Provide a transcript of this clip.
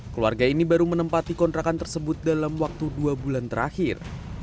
keluarga ini baru menempati kontrakan tersebut dalam waktu dua bulan terakhir